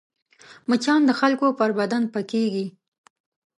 مچان د خلکو پر بدن پکېږي